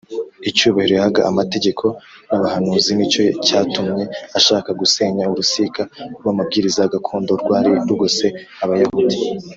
icyubahiro yahaga amategeko n’abahanuzi nicyo cyatumye ashaka gusenya urusika rw’amabwiriza gakondo rwari rugose abayahudi